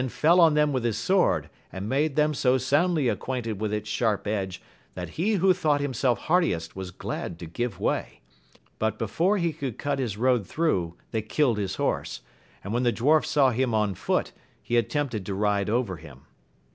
\ fell on them with his sword, and made them so soundly acquainted with its sharp edge, that he who thought himself hardiest was glad to give way ; but before he could cut his road through they killed his horse, and when the dwarf saw him on foot he attempted to ride over him.